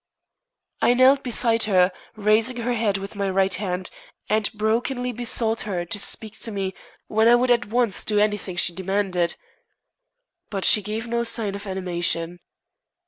I knelt beside her, raising her head with my right hand, and brokenly besought her to speak to me, when I would at once do anything she demanded. But she gave no sign of animation.